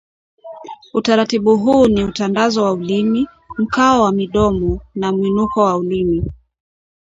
Utaratibu huu ni utandazo wa ulimi, mkao wa midomo, na mwinuko wa ulimi